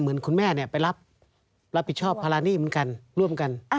เหมือนคุณแม่ไปรับผิดชอบภาระหนี้เหมือนกันร่วมกัน